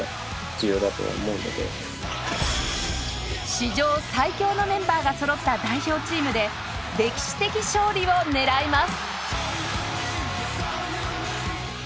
史上最強のメンバーがそろった代表チームで歴史的勝利を狙います！